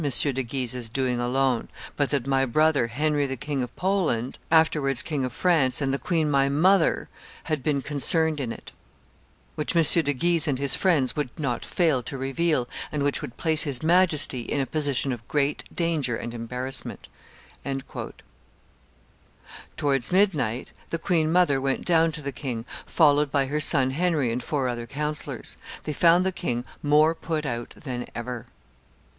de Guise's doing alone, but that my brother Henry, the King of Poland, afterwards King of France, and the queen my mother, had been concerned in it; which M. de Guise and his friends would not fail to reveal, and which would place his Majesty in a position of great danger and embarrassment." Towards midnight, the queen mother went down to the king, followed by her son Henry and four other councillors. They found the king more put out than ever.